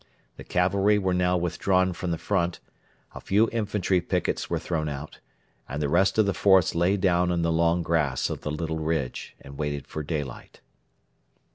The cavalry were now withdrawn from the front, a few infantry picquets were thrown out, and the rest of the force lay down in the long grass of the little ridge and waited for daylight.